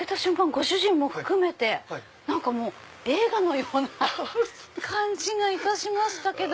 ご主人も含めて映画のような感じがしましたけど。